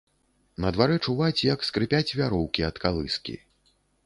На дварэ чуваць, як скрыпяць вяроўкі ад калыскі.